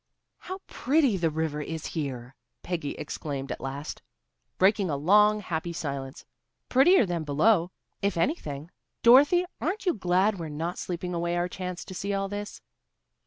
"How pretty the river is here," Peggy exclaimed at last, breaking a long, happy silence. "Prettier than below, if anything. Dorothy, aren't you glad we're not sleeping away our chance to see all this?"